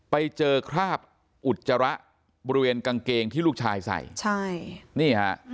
ไปเจอคราบอุจจาระบริเวณกางเกงที่ลูกชายใส่ใช่นี่ฮะ